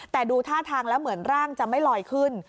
แต่ดูท่าทางแล้วเหมือนร่างจะไม่ลอยขึ้น